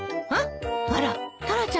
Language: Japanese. あらタラちゃんはどこ？